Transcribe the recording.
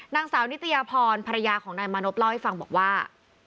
นางสาวนิตยาพรภรรยาของนายมานพเล่าให้ฟังบอกว่า